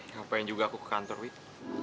gak pengen juga aku ke kantor wik